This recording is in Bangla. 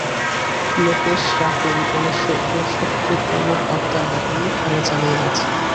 লোকেশ রাহুল অবশ্য ওসবকে কোনো পাত্তা না দিয়েই খেলা চালিয়ে যাচ্ছিলেন।